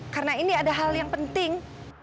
karena ini ada hal yang penting